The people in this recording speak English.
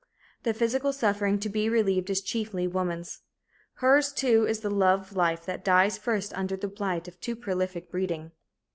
The physical suffering to be relieved is chiefly woman's. Hers, too, is the love life that dies first under the blight of too prolific breeding.